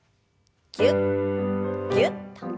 ぎゅっぎゅっと。